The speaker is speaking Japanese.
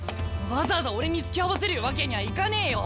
わざわざ俺につきあわせるわけにゃいかねえよ！